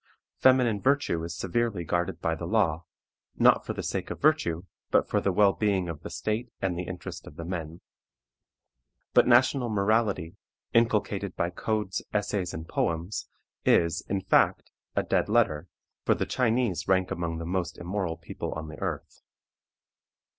Feminine virtue is severely guarded by the law; not for the sake of virtue, but for the well being of the state and the interest of the men. But national morality, inculcated by codes, essays, and poems, is, in fact, a dead letter, for the Chinese rank among the most immoral people on the earth.